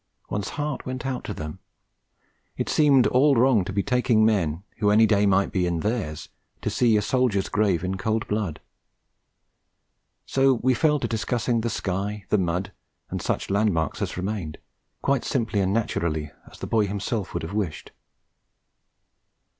One's heart went out to them. It seemed all wrong to be taking men, who any day might be in theirs, to see a soldier's grave in cold blood. So we fell to discussing the sky, the mud, and such landmarks as remained, quite simply and naturally, as the boy himself would have wished.